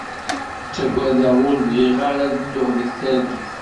Ttagadeɣ ur bɣiɣ ara ad dduɣ deg targit.